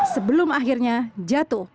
sebelum akhirnya jatuh